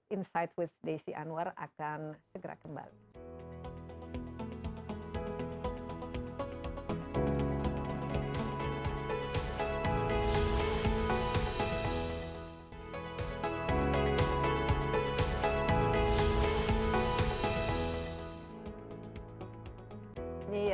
insight with desi anwar akan segera kembali